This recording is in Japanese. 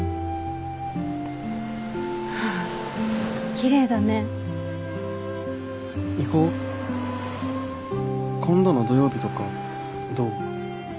きれいだね行こう今度の土曜日とかどう？